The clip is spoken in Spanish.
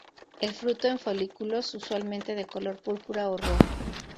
El fruto en folículos usualmente de color púrpura o rojo.